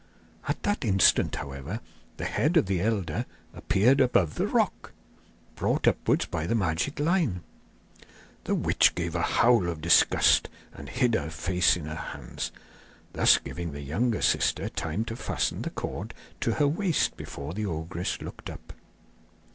At that instant, however, the head of the elder appeared above the rock, brought upwards by the magic line. The witch gave a howl of disgust, and hid her face in her hands; thus giving the younger sister time to fasten the cord to her waist before the ogress looked up.